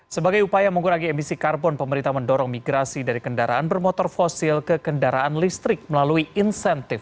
sebagai upaya mengurangi emisi karbon pemerintah mendorong migrasi dari kendaraan bermotor fosil ke kendaraan listrik melalui insentif